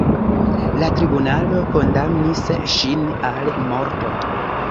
La tribunalo kondamnis ŝin al morto.